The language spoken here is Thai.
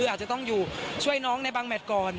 อาจจะต้องอยู่ช่วยน้องในบางแมทก่อน